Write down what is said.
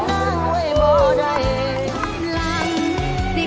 มันเป็นจังใด